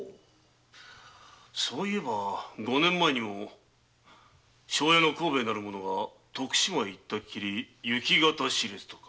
そういえば五年前にも庄屋の幸兵衛なる者が徳島へ行ったきり行方知れずとか。